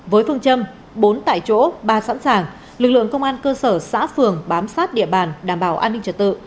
với phương châm bốn tại chỗ ba sẵn sàng lực lượng công an cơ sở xã phường bám sát địa bàn đảm bảo an ninh trật tự